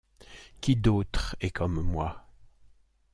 Qui d’autre est comme moi ?